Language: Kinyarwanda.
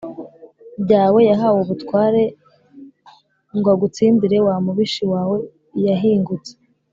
byawe, yahaw’ubutware - ngw’agutsindire wa mubishi wawe - iy’ahingutse.